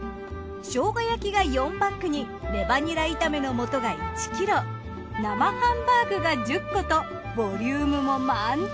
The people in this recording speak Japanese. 生姜焼きが４パックにレバニラ炒めの素が１キロ生ハンバーグが１０個とボリュームも満点！